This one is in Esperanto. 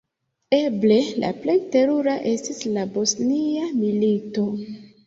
Eble la plej terura estis la Bosnia Milito.